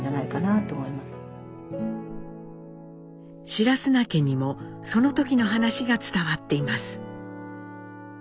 白砂家にもその時の話が伝わっています。